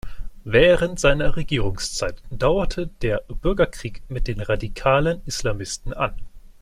Während seiner Regierungszeit dauerte der Bürgerkrieg mit den radikalen Islamisten an.